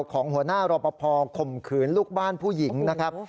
ของหัวหน้ารอปภข่มขืนลูกบ้านผู้หญิงนะครับ